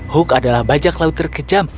hook adalah bajak laut terkejam